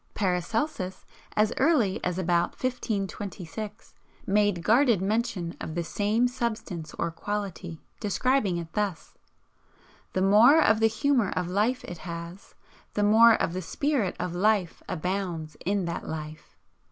Paracelsus, as early as about 1526, made guarded mention of the same substance or quality, describing it thus: "The more of the humour of life it has, the more of the spirit of life abounds in that life."